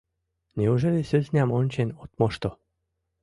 Неужели сӧснам ончен от мошто?